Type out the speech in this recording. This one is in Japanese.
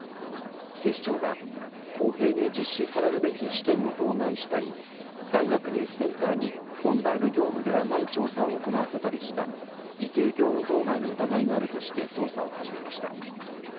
警視庁は、公平に実施されるべき試験を妨害したり、大学入試センターに本来の業務ではない調査を行わせたりした、偽計業務妨害の疑いがあるとして、捜査を始めました。